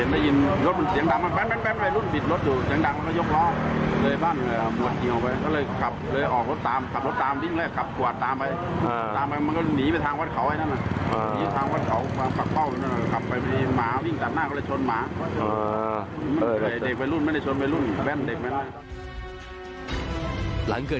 หลังเกิดเหตุผู้กำกับการสอบความสนใจ